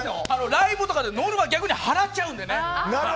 ライブとかでノルマ逆に払っちゃうのでね。